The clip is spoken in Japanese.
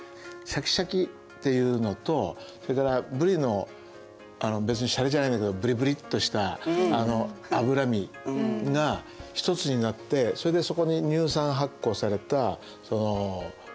シャキシャキっていうのとそれからブリの別にシャレじゃないんだけどブリブリっとしたあの脂身が一つになってそれでそこに乳酸発酵されたこうじが口の中に広がる。